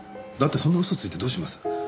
だってそんな嘘ついてどうします？